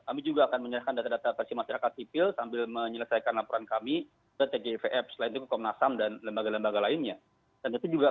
kami juga akan menyerahkan data data pasti masyarakat sipil sambil menyelesaikan laporan kami ke tgipf selain itu ke komnas ham dan lembaga lembaga lainnya